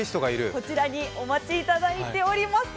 こちらにお待ちいただいております。